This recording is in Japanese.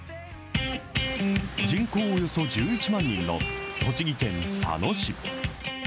人口およそ１１万人の栃木県佐野市。